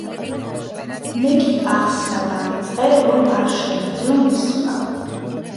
მე კი ახსნა დავიწყე, რომ არ შემეძლო მისვლა.